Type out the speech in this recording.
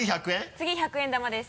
次１００円玉です。